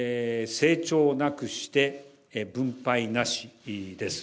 成長なくして分配なしです。